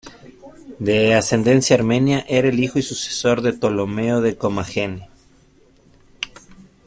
De ascendencia armenia, era el hijo y sucesor de Ptolomeo de Comagene.